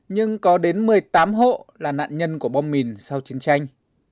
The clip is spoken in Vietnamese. nhưng có đến một mươi tám hộ là nạn nhân của bom mìn sau chiến tranh